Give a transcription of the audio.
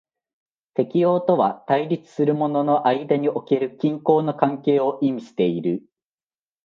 適応とは対立するものの間における均衡の関係を意味している。